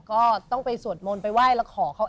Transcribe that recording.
ก็ต้องไปสวดมนต์ไปไหว้แล้วขอเขา